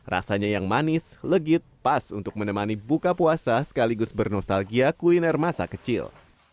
rasanya yang manis legit pas untuk menemani buka puasa sekaligus bernostalgia kuliner masa kecil